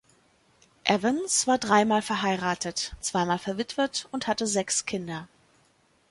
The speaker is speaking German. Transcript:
Evans war dreimal verheiratet, zweimal verwitwet und hatte sechs Kinder.